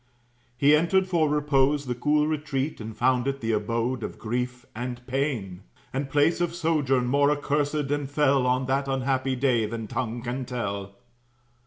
He entered for repose the cool retreat, And found it the abode of grief and pain; And place of sojourn more accursed and fell On that unhappy day, than tongue can tell.